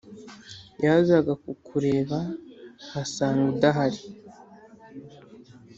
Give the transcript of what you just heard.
Yazaga kukureba nkasanga udahari